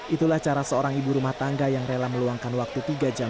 itulah cara seorang ibu rumah tangga yang rela meluangkan waktu tiga jam